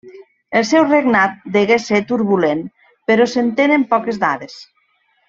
El seu regnat degué ser turbulent però se'n tenen poques dades.